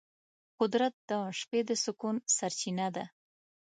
قدرت د شپې د سکون سرچینه ده.